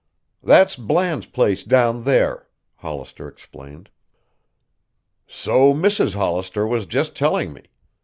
"That's Bland's place down there," Hollister explained. "So Mrs. Hollister was just telling me.